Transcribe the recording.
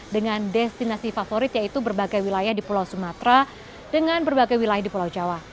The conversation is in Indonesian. dengan destinasi favorit yaitu berbagai wilayah di pulau sumatera dengan berbagai wilayah di pulau jawa